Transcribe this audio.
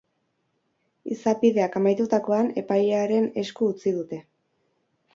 Izapideak amaitutakoan, epailearen esku utzi dute.